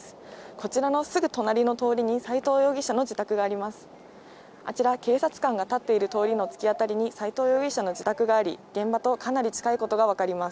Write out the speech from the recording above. こちらのすぐ隣の通りに、斎藤容疑者の自宅があります。